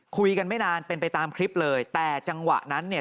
คุยกันไม่นานเป็นไปตามคลิปเลยแต่จังหวะนั้นเนี่ย